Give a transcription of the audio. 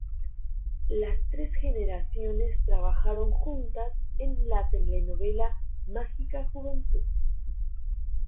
Las tres generaciones trabajaron juntas en la telenovela "Mágica juventud".